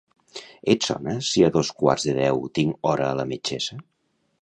Et sona si a dos quarts de deu tinc hora a la metgessa?